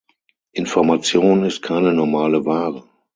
Information ist keine normale Ware.